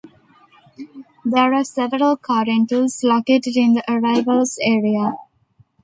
There are several car rentals located in the Arrivals Area.